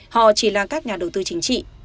họ chỉ là các nhà đầu tư chính trị